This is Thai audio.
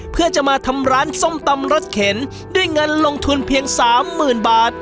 เพื่อจะมาทำร้านส้มตำรสเข็นด้วยเงินลงทุนเพียงสามหมื่นบาท